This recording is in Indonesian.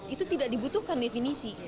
itu tidak dibutuhkan definisi